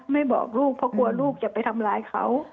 บอกลูกเพราะกลัวลูกจะไปทำร้ายเขา